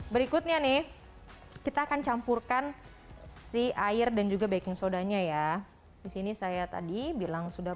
berikutnya nih kita akan campurkan si air dan juga baking sodanya ya disini saya tadi bilang sudah